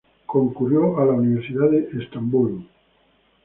Concurrió a la Universidad de Estambul.